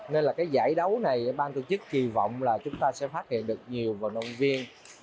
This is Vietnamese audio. nên là cái giải đấu này ban tổ chức kỳ vọng là chúng ta sẽ phát hiện được nhiều vận động viên